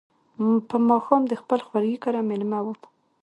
په ماښام د خپل خوریي کره مېلمه وم.